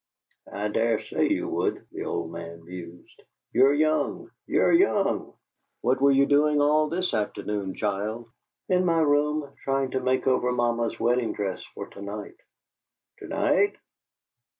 "I dare say you would," the old man mused. "You're young you're young. What were you doing all this afternoon, child?" "In my room, trying to make over mamma's wedding dress for to night." "To night?"